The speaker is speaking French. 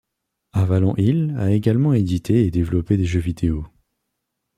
Avalon Hill a également édité et développé des jeux vidéo.